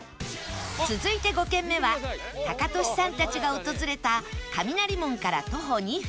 続いて５軒目はタカトシさんたちが訪れた雷門から徒歩２分